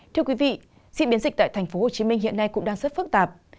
thưa quý vị diễn biến dịch tại tp hcm hiện nay cũng đang rất phức tạp